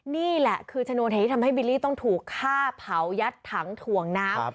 นี่แหละคือชนวนเหตุที่ทำให้บิลลี่ต้องถูกฆ่าเผายัดถังถ่วงน้ำ